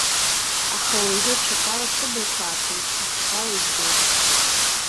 Аха уажәы аҽакала сыблақәа аатит, аҽакала избеит.